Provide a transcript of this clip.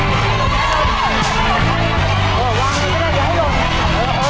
ให้คำหมึกขึ้นขายด้วยนะคะ